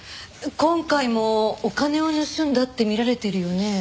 今回もお金を盗んだって見られてるよね。